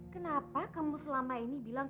kenapa kamu selama ini bilang